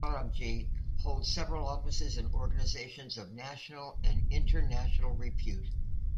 Sorabjee holds several offices in organizations of national and international repute.